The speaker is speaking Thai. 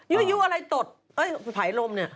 อยู่อะไรตดไผลลมเนี่ย